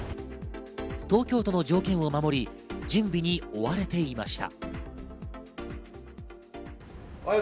東京都の条件を守り、準備に追われていました。